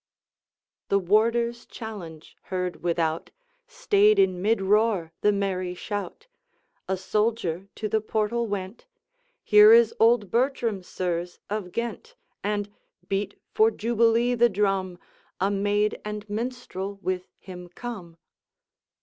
The warder's challenge, heard without, Stayed in mid roar the merry shout. A soldier to the portal went, 'Here is old Bertram, sirs, of Ghent; And beat for jubilee the drum! A maid and minstrel with him come.'